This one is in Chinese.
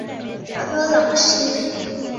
科朗西。